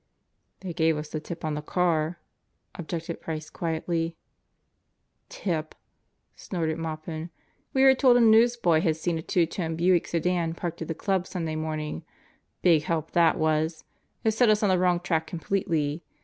"They gave us the tip on the car," objected Price quietly. "Tipl" snorted Maupin. "We were told a newsboy had seen a two toned Buick sedan parked at the Club Sunday morning. Big help that wasl It set us on the wrong track completely.